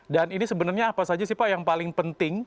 dan ini sebenarnya apa saja sih pak yang paling penting